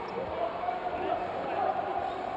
สวัสดีทุกคน